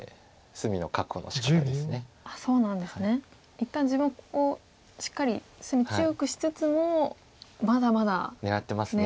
一旦自分をここしっかり隅強くしつつもまだまだ狙ってますか。